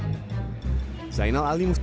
untuk menerima bantuan yang tersebut